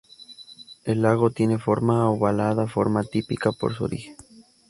El lago tiene forma ovalada, forma típica por su origen.